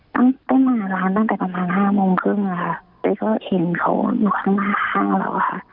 ตั้งแต่ร้านตั้งแต่ประมาณห้าโมงครึ่งค่ะเต้ยก็เห็นเขาอยู่ข้างหน้าข้างเราอะค่ะ